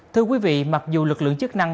thưa quý vị mặc dù lực lượng chức năng